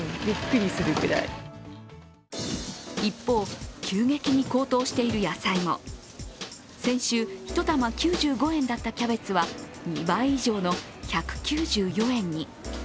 一方、急激に高騰している野菜も先週、１玉９５円だったキャベツは２倍以上の１９４円に。